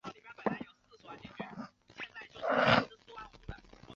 从源头就出了问题